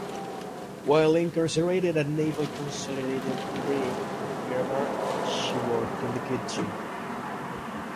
While incarcerated at Naval Consolidated Brig, Miramar, she worked in the kitchen.